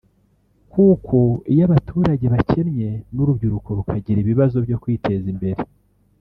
kuko iyo abaturage bakennye n’urubyiruko rukagira ibibazo byo kwiteza imbere